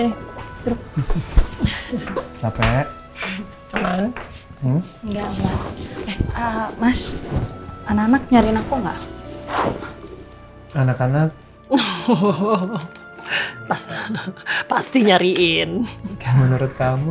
enggak enggak mas anak anak nyariin aku enggak anak anak pasti nyariin menurut kamu